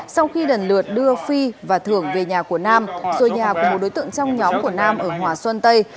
sau khi lần lượt đưa phi và thưởng về nhà của nam rồi nhà của một đối tượng trong nhóm của nam ở hòa xuân tây